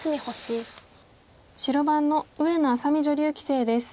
白番の上野愛咲美女流棋聖です。